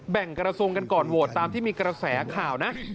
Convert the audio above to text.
กระทรวงกันก่อนโหวตตามที่มีกระแสข่าวนะ